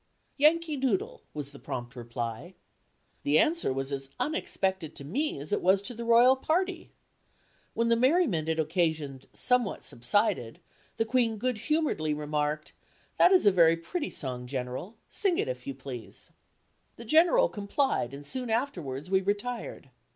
"Yankee Doodle," was the prompt reply. This answer was as unexpected to me as it was to the royal party. When the merriment it occasioned somewhat subsided, the Queen good humoredly remarked, "That is a very pretty song, General. Sing it if you please." The General complied, and soon afterwards we retired.